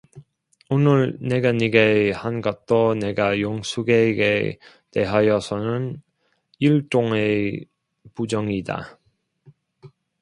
오늘 내가 네게 한 것도 내가 영숙에게 대하여서는 일종의 부정이다.